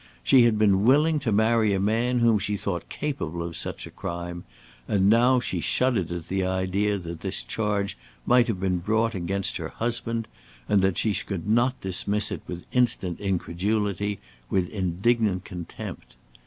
She had been willing to marry a man whom she thought capable of such a crime, and now she shuddered at the idea that this charge might have been brought against her husband, and that she could not dismiss it with instant incredulity, with indignant contempt.